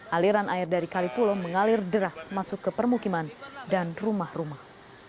aliran air dari kalipulo mengalir deras masuk ke permukiman dan rumah rumah